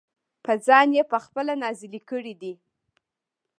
پۀ ځان پۀ خپله نازلې کړي دي -